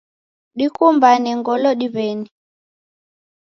Dikumbane ngolo diweni